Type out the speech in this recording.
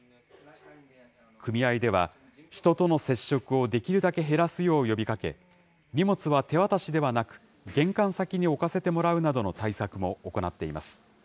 組合では、人との接触をできるだけ減らすよう呼びかけ、荷物は手渡しではなく、玄関先に置かせてもらうなどの対策も行っています。